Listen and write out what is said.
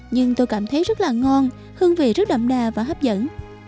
nhưng tôi cảm thấy rất là ngon hương vị rất đậm đà và hấp dẫn